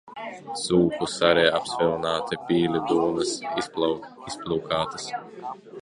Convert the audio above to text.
Cūku sari apsvilināti, pīļu dūnas izplūkātas.